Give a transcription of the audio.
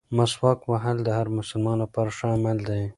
مسواک وهل د هر مسلمان لپاره ښه عمل دی.